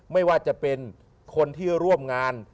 ไม่ว่าจะเป็นคนที่ร่วมงาน